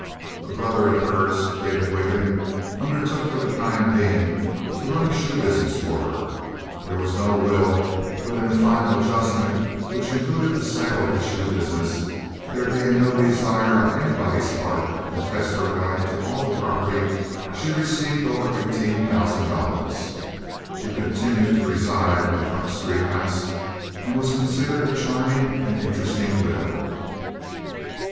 A brother of hers, David Wiggin, undertook for the time being to run the shoe business for her. There was no will, but in the final adjustment, which included the sale of the shoe business, there being no desire on anybody's part to contest her right to all the property, she received over eighteen thousand dollars. She continued to reside in the Front Street house, and was considered a charming and interesting widow.